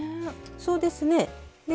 そうですね。